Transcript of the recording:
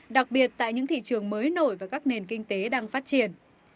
đặc biệt tại những thị trường mới nổi và các nền kinh tế đang phát triển